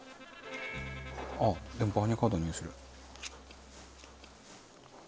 あっでもバーニャカウダのにおいする。